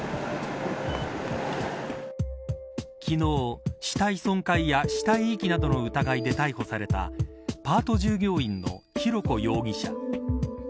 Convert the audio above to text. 昨日、死体損壊や死体遺棄などの疑いで逮捕されたパート従業員の浩子容疑者。